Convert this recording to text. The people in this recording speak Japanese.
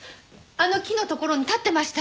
あの木の所に立ってました。